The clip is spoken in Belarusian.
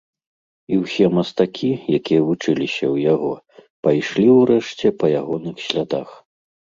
І ўсе мастакі, якія вучыліся ў яго, пайшлі ў рэшце па ягоных слядах.